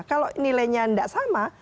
kalau nilainya tidak sama